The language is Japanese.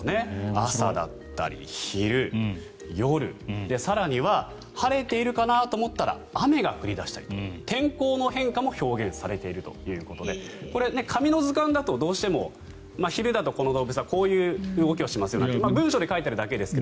朝だったり昼、夜更には晴れているかなと思ったら雨が降り出したりとか天候の変化も表現されているということでこれ、紙の図鑑だとどうしても昼だとこの動物はこういう動きをしますよなんて文章で書いてあるだけですが。